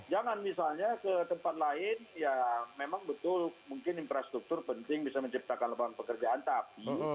jangan misalnya ke tempat lain ya memang betul mungkin infrastruktur penting bisa menciptakan lapangan pekerjaan tapi